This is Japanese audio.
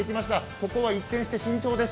ここは一転して慎重です。